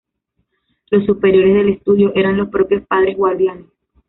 Los superiores del estudio eran los propios padres guardianes.